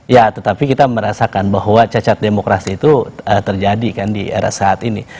ya tetapi kita merasakan bahwa cacat demokrasi itu terjadi kan di era saat ini